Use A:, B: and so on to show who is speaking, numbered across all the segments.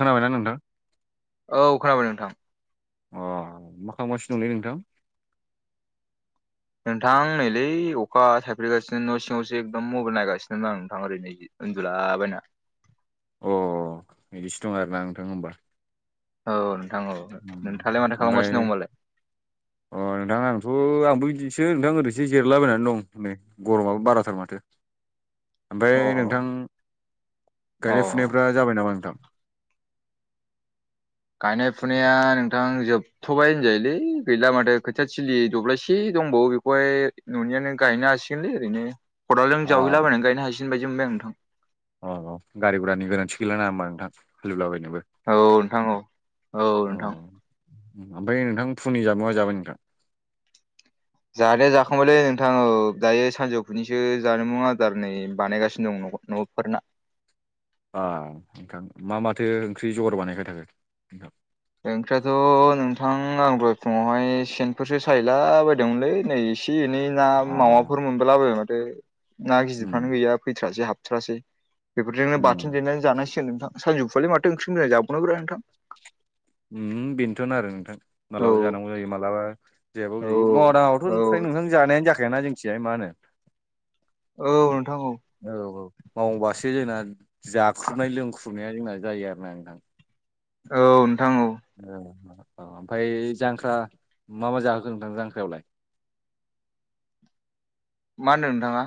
A: खोनाबायना नोंथां?
B: औ खोनाबाय नोंथां।
A: अ मा खालामसिनो दंलै नोंथां?
B: नोंथां नैलै अखा थाइफ्रिगासिनो न' सिङावसो एकदम मबाइल नायगासिनो द आरों नथां ओरै उन्दुला बायना।
A: अ बिदिसो दं आरोना नोंथां होमबा?
B: औ नोंथां औ
A: उम,
B: नोंथाङालाय माथो
A: ओमफ्राय
B: खालामगासिनो दं होनबालाय?
A: अ नोंथां आंथ' आंबो बिदिसो नोंथां ओरैसो जिरलाबायनानै दं नै गरमाबो बाराथार माथो।
B: [inaudible]
A: ओमफाय नोंथां गायनाय
B: अ
A: फुनायफ्रा जाबाय नामा नोंथां?
B: गायनाय फुनाया नोंथां जोब थ'बायबाय होनजायोलै गैला माथो खोथिया थिलि दब्लायसे दंबावो बेखौहाय न'नियानो गायनो हासिगोनलै ओरैनो खदालजों
A: अ
B: जावहैलाबायनानै गायनो हसिगोन बायदि मोनबाय आं नोंथां।
A: अ औ गारिघरानि गोनांथि गैलाना होमबा नोंथां हालिब्लाबो
B: आं नोंथां औ नोंथां औ
A: [unintelligible] औ ओमफाय नोंथां फुंनि जाबोब मा जाबाय नोंथां?
B: जानाया जाखांबायलै नोंथाङो दायो सानजौफुनिसो जामुं आदार नै बानायगासिनो दं न'फोरना।
A: ओ नोंथां मा माथो ओंख्रि जगार बानायबाय थाखो? नोंथां
B: ओंख्रियाथ' नोंथां आं दहाय फुङावहाय सेनफोरसो सायला बायदोंमोनलै नै एसे एनै ना
A: अ
B: मावाफोर मोनबोला बायबाय माथो ना
A: उम
B: गिदिरफ्रानो गैया फैथ्रासै हाबथारासै। बेफोरजोंनो
A: उम
B: बाथोन देनानै जानायसिगोन नों सानजौफुनि ओंख्रिखौ माथो मोजां जाबावनोब्रा नोंथां।
A: उम बेनोथ'नो आरो नोंथां।
B: औ
A: माब्लाबा जानांगौ जायो मालाबा जायाबो
B: औ
A: जायो मावा
B: औ
A: दाङथ' फ्राय नोंथां जानायानो जाखाय ना जोंथिजाय मा होनो
B: औ नोंथां औ।
A: औ औ मावबासो जोंना जाख्रुबनाय लोंख्रुबनाया जोंना जायो आरोना नोंथां।
B: औ नोंथां औ‌
A: औ औ ओमफ्राय जांख्रा मा मा जाहोगोन नोंथां जांख्रायावलाय!
B: मा होन्दों नोंथाङा!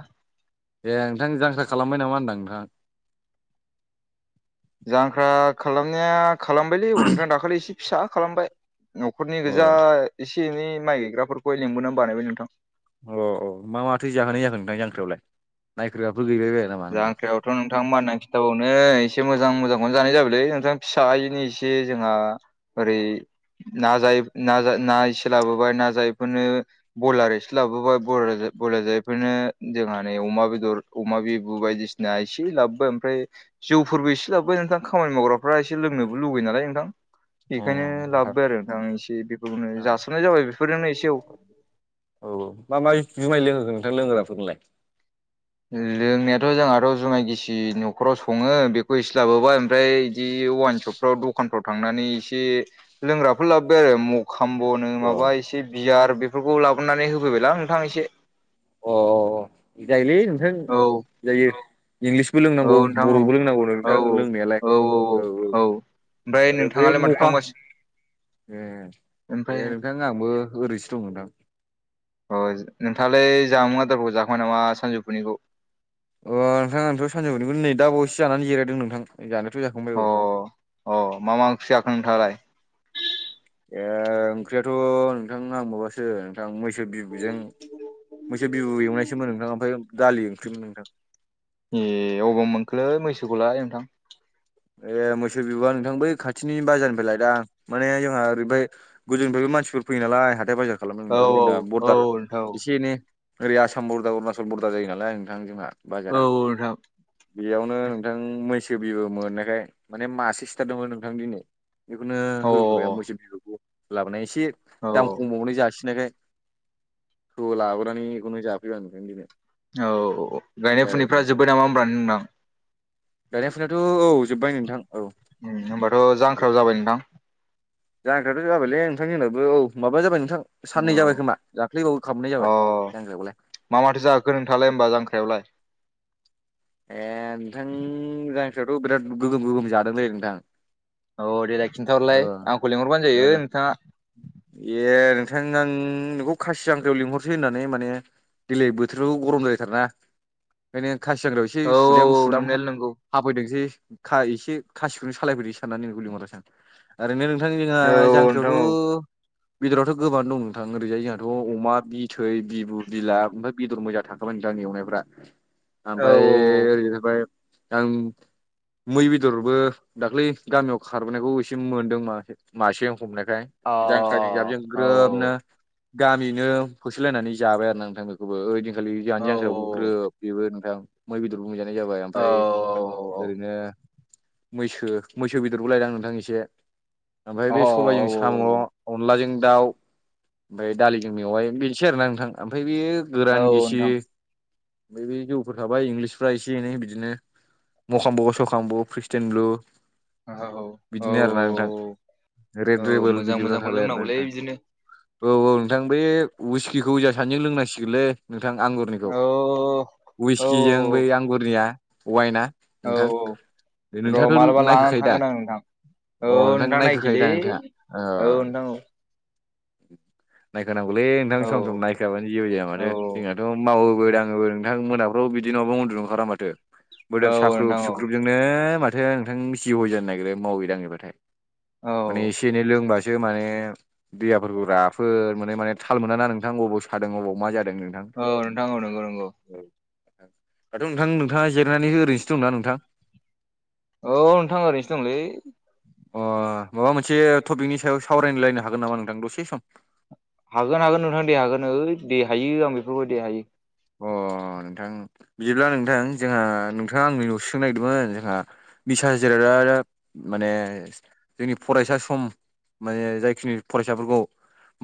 A: ए नोंथां जांख्रा खालामबाय नामा होनदां नोंथां।
B: जांख्रा खालामनाया खालामबायलै उनफ्राय दाखालि एसे फिसा खालामबाय। न'खरनि
A: अ
B: गोजा एसे एनै माइ गायग्राफोरखौ लेंंबोनानै बानायबाय नोंथां‌
A: अ औ मा माथो जाहोनाय जागोन नोंथां जांख्रायावलाय नायखोग्राफोर गैबाय बाया?
B: जांख्रायाव थ' नोंथां मा होननानै खिन्थाबावनो एसे मोजां मोजांखौनो जानाय जाबायलै नोंथां फिसायैनि एसे जोंहा ओरै ना जायै ना जा ना इसे लाबोबाय ना जायेैफोरनो बयलार एसे लाबोबाय बय-बयलार जारफोरनो जोंहा नै अमा बेदर अमा बे बायदिसिना एसे लाबोबाय ओमफ्राय जौफोरबो इसे लाबोबाय नोंथां खामानि मावग्राफ्रा एसे लोंनोबो लुुबैयो नालाय नोंथां। बेखायनो लाबोबाय आरो नोंथां आ एसे बेफोरखौनो जासाननाय जाबाय बेफोरजोंनो एसे औ।
A: औ मा मा जुमाय लोंहो खो नोंथां लोंग्राफोरखौलाय?
B: लोंनायाथ' जोंहाथ' जुमाइ गिसि न'खराव सङो बेखौ इसे लाबोबाय ओमफ्राय बिदि अवाइन सप फ्राव दखानफ्राव थांनानै एसे लोंग्राफोर लाबोबाय आरो म खामब'नो
A: अ
B: माबा एसे बियार बेफोरखौ लाबोनानै होबोबायलां नोंथां एसे‌
A: अ जायोलै नोंथां
B: औ
A: जायो‌। इंलिसबो लोंनांगौ
B: औ नोंथां औ
A: बर'बो लोंनांगौ
B: औ
A: नोंथां लोंनायालाय औ औ।
B: ओमफ्राय
A: ओरै बे
B: नोंथाङालाय माथो
A: मुखाम
B: खालामगासिनो
A: ए दे
B: ओमफ्राय
A: नोंथां [unintelligible] आंबो ओरैसो दं नोंथां।
B: अ नोंथाङालाय जामुं आदारखौ जाखांबाय नामा सानजौफुनिखौ?
A: अ नोंथां आंथ' सानजौफुनिखौ नै दा बावयैसो जानानै जिरायदों नोंथां जानायाथ' जाखांबाय औ।
B: अ अ मा मा ओख्रि जाखो नोंथाङालाय?
A: ए ओंख्रियाथ' नोंथां आं माबासो ओ नोंथां मैसो बिबुजों मैसो बिबु एवनायसोमोन नोंथां ओमफ्राय दालि ओंख्रिमोन नोंथां।
B: ए अबाव मोनखोलै मैसोखौलाय नोंथां?
A: ए मोसौ बिब'वा नोंथां बै खाथिनि बाजारनिफाय लायदा माने जोंहा ओरैफाय गोजौनिफायबो मानसिफोर फैयो नालाय हाथाय बाजार खालामनो
B: औ
A: नोंथां
B: औ
A: जोंना
B: औ
A: बरदार
B: नोंथां औ
A: एसे एनै ओरै आसाम बरदार अरुणाचल बरदार जायो नालाय नोंथां जोंहा
B: औ
A: बाजारा।
B: नोंथां
A: बेयावनो नोंथां मैसो बिबो मोननायखाय माने मासे सिथारदोंमोन नोंथां दिनै। बेखौनो
B: अ
A: होबोबाय मोसौ
B: औ
A: बिगुखौ लाबोना एसे से दाम खमबावनो जासिनायखाय हो लाबोनानै इखौनो जाफैबाय आं ओंखायनो दिनै।
B: औ औ औ गायनाय
A: औ
B: फुनायफ्रा
A: नोंथां
B: जोब्बाय नामा होनब्ला नों [unintelligible]
A: गायनाय फुनायाथ' औ जोब्बाय नोंथां औ।
B: उम होमबाथ' जांख्रा जाबाय नोंथां?
A: जांख्रायाथ' जाबायलै नोंथां जोंनाबो औ माबा जाबाय नोंथां साननै
B: औ
A: जाबाय खोमा दाख्लैबावै खामनाय
B: अ
A: जाबाय जांग्रायावलाय।
B: मा माथो जाहोखो नोंथाङालाय होमबा जांख्रायावलाय?
A: ए नोंथां जांख्रायावथ' बिराद गोगोम गोगोम जादोंलै नोंथां।
B: अ देलाय
A: ओ
B: खिन्थाहरलाय आंखौ लिंहरबानो जायो
A: बेयावनो
B: नोंथाङा।
A: ए नोंथां आं नोंखौ खासि जांख्रायाव लिंहरसै होननानै माने देलाय बोथोराबो गरम द्रायथारना ओंखायनो खासि जांग्रायावसो
B: औ
A: एसे सुदाम
B: औ
A: सुदाम
B: नोंनायालाय नंगौ।
A: हाफैदोंसै खा एसे खासिखौनो सालायफैदों साननानै नोंखौ लिंहरासै आं ओरैनो
B: औ
A: [unintelligible]
B: औ नोंथां
A: जांख्रायावथ' बेदरावथ' गोबान दं नोंथां ओरैजाय जोंहाथ' अमा बिथै बिबु बिला ओमफाय बेदर मोजां था खामोन जानि एवनायफोरा।
B: [inaudible]
A: आमफाय ओरैनोफाय आं मै बेदरबो दाख्लै गामियाव खारबोनायखौ सिम मोनदों मासे मासेया हमनायखाय
B: औ
A: जांख्रा जों जाबजों
B: औ
A: ग्रोबनो गामियैनो होसोलायनानै जाबाय आरोना नोंथां बेख गोबो ओइदिनखालि जाहानि
B: अ औ
A: जांख्रायावबो ग्रोब बेबो नोंथां मै बेदरबो मोनजानाय जाबाय ओमफाय ओरैनो मैसो मैसो बेदरबो लायदां नोंथां एसे। ओमफाय बे सबाइजों
B: औ
A: सा
B: औ
A: साम' अनलाजों दाउ ओमफाय दालिजों मेवाइ बेनोसै आरोना नोंथां। ओमफाय बे
B: औ
A: गोरान गिसि
B: नोंथां
A: ओमफाय बे जौफोर थाबाय इंलिसफ्रा इस एसे एनै बिदिनो मखामब' सखामब' ख्रीस्टियान ब्लु
B: ओहो औ। औ
A: बिदिनो आरो ना नोंथां
B: औ
A: रेड रेबोल
B: मोजां
A: बिदिफ्रा
B: मोजांखौ
A: थाबाय आरोना
B: लोंनांगौलै
A: नोंथां।
B: बिदिनो
A: औ औ नोंथां बे उइस्किखौ जा सानैजों लोंनांसिगोनलै नोंथां आंगुरनिखौ।
B: अ
A: उइसकिजों बै आंगुरनिया अवाइना
B: औ
A: नोंथां दे नोंथाङाथ' नायखायो दा?
B: ओं नोंथां। औ
A: अ नोंथां नायखो
B: नायखैलै
A: खायोदा नोंथाङा ओ।
B: औ नोंथां औ
A: नायखो नांगौलै नोंथां सम सम
B: औ
A: नाय [unintelligible] जेबो जाया
B: औ
A: माथो जोंनाथ' मावोबो दाङोबो नोंथां मोनाफ्राव बिदि नङाबा उन्दुनो ओंखारा माथो।
B: औ
A: मोदोम साख्रुब
B: नोंथां औ
A: सुख्रुबजोंनो माथो नोंथां जिहय जानो नागिरो मावै दाङैबाथाय।
B: औ
A: माने एसे एनै लोंबासो माने देहाफोरखौ राफोर मोने माने थाल मोनाना नोंथां अबाव सादों अबाव मा जादों नोंथां।
B: औ नोंथां औ नंगौ नंगौ।
A: दाथ' नोंथां नोंथाङा जिरायनानै ओरैनोसो दंना नोंथां?
B: औ नोंथां ओरैनोसो दंलै।
A: अ माबा मोनसे टपिकनि सायाव सावरानो लायनो हागोन नामा नोंथां दसे सम?
B: हागोन हागोन नोंथां दे हागोन ओइ दे हायो आं बेफोरबायदि हायो।
A: अ नोंथां बिदिब्ला नोंथां जोंहा नोंथाङा आंनि न'सोननो नागिरदोंमोन जोंहा बिस हाजिर माने जोंनि फरायसा सम माने जायखिनि फरायसाफोरखौ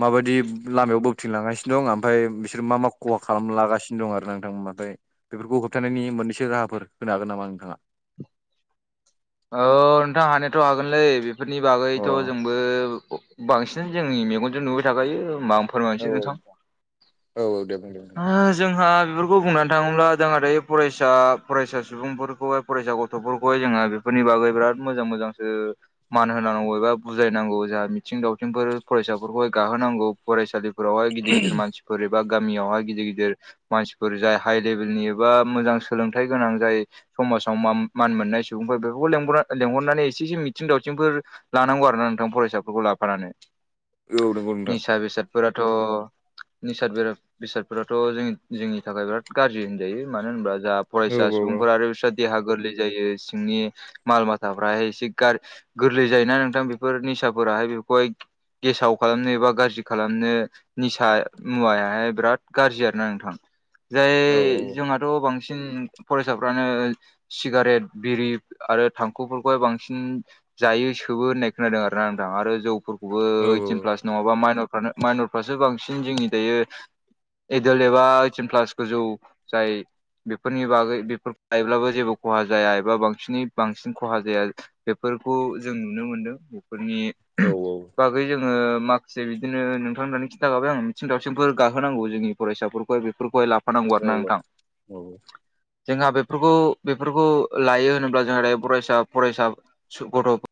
A: माबायदि लामायाव बोखथिंलांगासिनो दं ओमफ्राय बिसोर मा मा खहा खालामलागासिनो दं आरो नोंथां ओमफ्राय बेफोरखौ होबथानायनि मोननैसो राहाफोर होनो हागोन नामा नोंथाङा
B: औ नोंथां हानायाथ' हागोनलै बेफोरनि
A: अ औ
B: बागैथ' जोंबो बांसिन जोंनि मेगनजों नुबाय थाखायो म
A: औ
B: फोरमायनोसै नोंथां
A: औ औ दे बुं दे
B: ओ जोंहा बेफोरखौ बेखौ बुंनानै थाङोब्ला जोंहा दायो फरायसा फरायसा सुबुंफोरखौहाय फरायसा गथ'फोरखौहाय जोङो फोरनि बागै बिराद मोजां मोजांसो मान होनांगौ एबा बुजायनांगौ जा मिथिं दावथिंफोर फरायसाफोरखौहाय गाहोनांगौ फरायसालि हाय गिदिर गिदिर मानसिफोर एबा गामियावहाय गिदिर गिदिर मानसिफोर जाय हाइ लेभेलनि एबा मोजां सोलोंथाइ गोनां जाय समाजाव मान मोननाय सुबुंफोर बेफोरखौ लें लेंहरनानै एसे एसे मिथिं दावथिंफोर लानांगौ आरो ना नोंथां फरायसाफोरखौ लाफानानै
A: बुं औ नंगौ नोंथां
B: निसा बेसादफोराथ' निसाद बेरा बेसादफोराथ' जों जोंनि थाखाय बिराद गाज्रि होनजायो मानो होनोबा जा
A: औ
B: फरायसा
A: औ
B: सुबुंफोरा आरो बिस्रा देहा गोरलै जायो सिंनि माल माथाफ्राहाय एसे गा गोरलै जायोना नोंथां बेफोर निसाफोराहाय बेखौहाय गेसाव खालामनो एबा गाज्रि खालामनो निसा मुवायाहाय बिराद गाज्रि आरो ना नोंथां जाय
A: औ
B: जोंहाथ' बांसिन फरायसाफ्रानो सिगारेट बिरि आरो थांखुफोरखौहाय बांसिन जायो सोबो होननाय खोनादों आर ना नोंथां आरो जौखौ बो
A: औ
B: ओइटिन
A: औ
B: प्लास नङाबा मानरफ्रानो माइनरफ्रासो बांसिन जोंनि दायो एदल एबा ओइटिन प्लास गोजौ जाय बेफोरनि बागै बे लायोब्लाबो जेबो खहा जाया एबा बांसिन बांसिनै बांसिन खहा जाया बेफोरखौ जों नुनो मोनदों बेफोरनि बा बेै जोङो माखासे बिदिनो नोंथांमोननानै खिन्थाबाय आङो मिथिं दावसिंफोर गाहोनांगौ जोंनि फरायसाफोरखौ बेफोरखौ ला फानांगौ आरो
A: औ
B: ना नोंथां
A: औ
B: जोंहा बेफोरखौ बेफोरखौ लायो होन जाहथे फरायसा फरायसा गथ'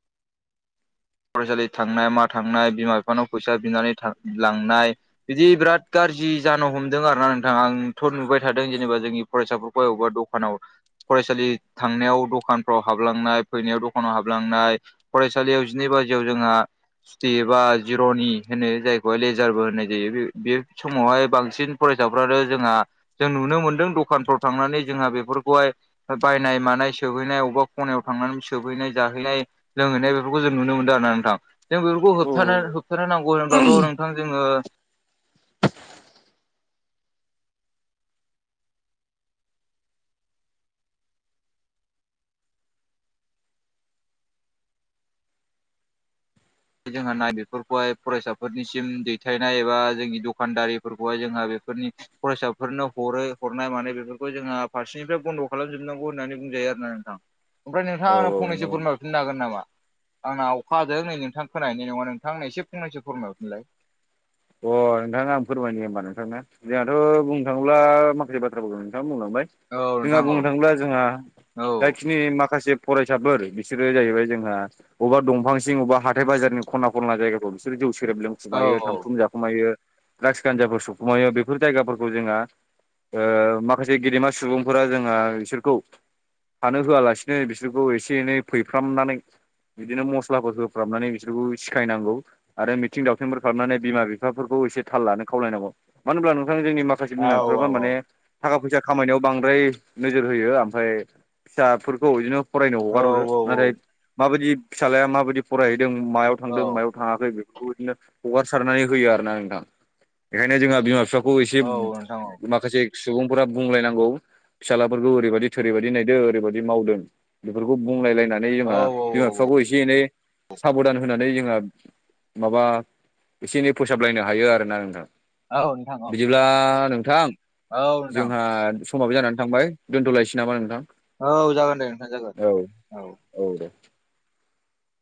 B: फरायसालि थांनाय मा थांनाय बिमा बिफानाव फैसा बिनानै था लांनाय बिदि बिराद गाज्रि जानो हमदों आर ना नोंथाङा आंथ' नुबाय थादों जेनेबा जोंनि फरायसा अबेबा दखानाव फरायसालि थांनायाव दखानफ्राव हाबलांनाय फैनायाव दखानाव हाबलांनाय फरायसालियाव बे बाजियाव जोंहा सुथि ए बा जिर'नि होनो जायखौहाय लेजारबो होननाय जायो बे बे समावहाय बांसिन फरायसाफ्रानो जोंहा जों नुनो मोनदों दखानफ्राव थांनानै जोंहा बेफोरखौहाय बायनाय मानाय सोबहैनाय अबेबा खनायाव थांनानै सहैनाय जाहैनाय लोंहैनाय बेफोरखौ जों नुनो मोनदों आरो ना नोंथां जों बेफोरखौ होबथा होबथानो नांगौ होनब्लाथ' नोंथां जोङो जोंहा नाय बेेफोरखौहाय फरायसाफोरनिसिम दैथायनाय एबा जोंनि दखानदारिफोरखौहाय जोंहा बेफोरनि फरायसाफोरनो हरै हरनाय मानाय बेफोरखौ जोंहा फारसेनिफ्राय बन्द' खालामजोबनांगौ होननानै बुंजायो आरो ना औ ओमफ्राय नोंथाङा
A: औ
B: आंनो
A: औ
B: फंनैसो
A: नंगौ
B: फोरमायफिननो हागोन नामा आंना अखा हादों नै नोंथां खोनाहैनाय नङा नोंथांं एसे फंनैसो फोरमायहरफिनलाय
A: अ नोंथां आं फोरमायनो होमबा नोंथां नो जोंहाथ' बुंनो थाङोब्ला माखासे बाथ्राफोरखौ नोंथाङानो बुंलांबाय
B: औ
A: जोंहा
B: नोंथां औ
A: बुंनो थाङोब्ला जोंहा
B: औ
A: जायखि नि माखासे फरायसाफोर बिसोरो जाहैबाय जोंहा अबा दंफांं सिं अबा हथायाइ बाजारनि खना खनला जायगाफ्राव बिसोर जौ सेरेब
B: औ
A: लोंखुमायो थांखु जाखु खुमायो द्राग्स गान्जाफोर सोबखुमायो बेफोर जायगाफोरखौ जोंहा ओ माखासे गेदेमा सुबुंफोरा जोंहा बिसोरखौ थानो होआलासिनो बिसोरखौ एसे एनै फैफ्रामनानै बिदिनो मस्लाफोर होफ्रामनानै बिसोरखौ सिखायनांगौ आरो मिथिं दावथिंफोर खालामनानै बिमा बिफा फाफोरखौ एसे थाल लानो खावलायनांगौ मानो होनब्ला नोंथां जोंनि माखासे
B: औ
A: बिमा बिफाफ्राबो माने थाखा फैसा खामायनायाव बांद्राय नोजोर होयो ओमफ्राय फिसाफोरखौ बिदिनो फरायनो
B: औ
A: हगार हरो
B: औ
A: नाथाय माबायदि फिसााज्लाया माबायदि फरायहैदों मायाव
B: औ
A: थांदों मायाव थाङाखै बेफोरखौ बिदिनो हगासारनानै होयो आरो ना नोंथां बेखायनो जोंहा बिमा बिफा खौ एसे
B: औ नोंथां औ
A: माखासे सुबुंफोरा बुंलायनांगौ। फिसालाफोरखौ ओरैबायदि थोरैबायदि नायदो ओरैबायदि मावदों बेफोरखौ बुंलायलायना नै
B: औ
A: जोंहा
B: औ
A: बिमा
B: औ
A: बिफाखौ एसे एनै साबधान होनानै जोंहा माबा एसे एनै फोसाबलायनो हायो आरोना नोंथां।
B: औ नोंथां औ
A: बिदिब्ला नोंथां
B: औ नोंथां
A: जोंहा समाबो जानानै थांबाय दोन्थ'लायसै नामा नोंथां?
B: औ जागोन दे नोंथां जागोन
A: औ
B: औ
A: औ दे